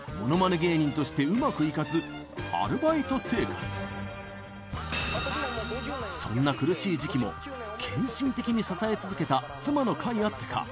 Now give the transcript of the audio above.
芸人としてうまくいかずアルバイト生活そんな苦しい時期も献身的に支え続けた妻のかいあってか